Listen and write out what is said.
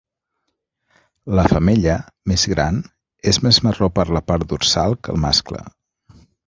La femella, més gran, és més marró per la part dorsal que el mascle.